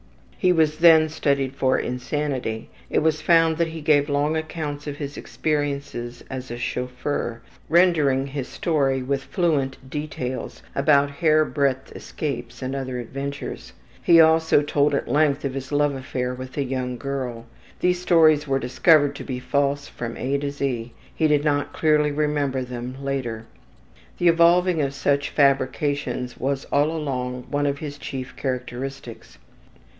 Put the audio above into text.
He was then studied for insanity. It was found that he gave long accounts of his experiences as a chauffeur, rendering his story with fluent details about hairbreadth escapes and other adventures. He also told at length of his love affair with a young girl. These stories were discovered to be false from ``A to Z''; he did not clearly remember them later. The evolving of such fabrications was all along one of his chief characteristics.